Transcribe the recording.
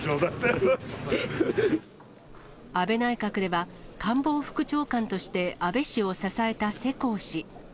安倍内閣では、官房副長官として安倍氏を支えた世耕氏。